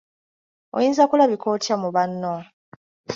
Oyinza kulabika otya mu banno?